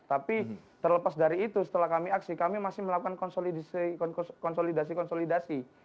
tapi terlepas dari itu setelah kami aksi kami masih melakukan konsolidasi konsolidasi